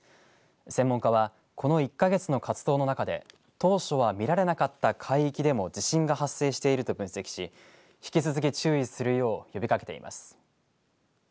専門家はこの１か月の活動の中で当初は見られなかった海域でも地震が発生していると分析し引き続き注意するよう呼びかけています。